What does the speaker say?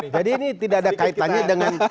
jadi ini tidak ada kaitannya dengan